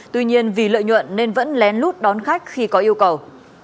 tuy nhiên vì lợi nhuận nên vẫn lén lút đón khách khi có yêu cầu